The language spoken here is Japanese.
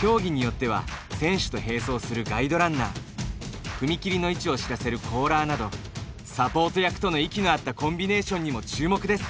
競技によっては選手と併走するガイドランナー踏み切りの位置を知らせるコーラーなどサポート役との息の合ったコンビネーションにも注目です。